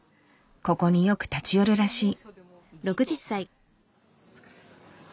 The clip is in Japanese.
ここによく立ち寄るらしい。